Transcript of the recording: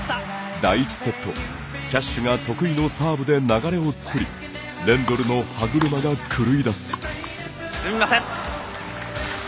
第１セット、キャッシュが得意のサーブで流れを作りレンドルの歯車が狂いだす。